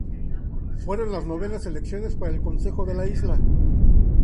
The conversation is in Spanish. Fueron las novenas elecciones para el Consejo de la Isla.